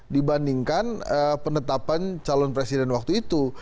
dibandingkan penetapan calon presiden waktu itu